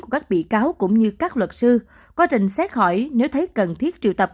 các bị cáo cũng như các luật sư quá trình xét hỏi nếu thấy cần thiết triệu tập